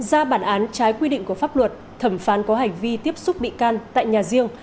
ra bản án trái quy định của pháp luật thẩm phán có hành vi tiếp xúc bị can tại nhà riêng